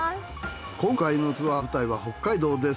今回のツアー舞台は北海道です。